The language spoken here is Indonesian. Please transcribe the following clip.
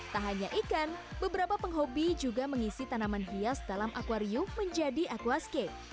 tak hanya ikan beberapa penghobi juga mengisi tanaman hias dalam akwarium menjadi aquascape